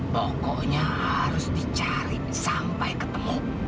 pokoknya harus dicari sampai ketemu